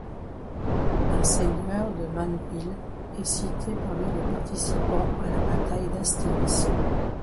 Un seigneur de Manneville est cité parmi les participants à la bataille d’Hastings.